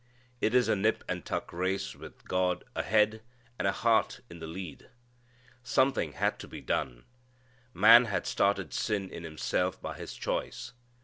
It is a nip and tuck race with God a head and a heart in the lead. Something had to be done. Man had started sin in himself by his choice.